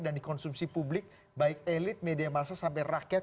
dan dikonsumsi publik baik elit media masyarakat sampai rakyat